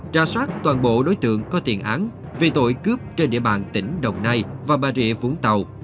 trà soát toàn bộ đối tượng có thiện án vì tội cướp trên địa bàn tỉnh đồng nai và bà rịa vũng tàu